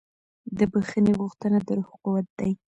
د بښنې غوښتنه د روح قوت ده.